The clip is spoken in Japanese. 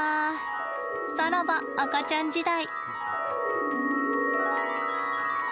さらば、赤ちゃん時代。